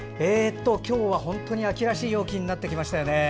今日は本当に秋らしい陽気になってきましたね。